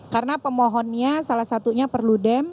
karena pemohonnya salah satunya perlu dem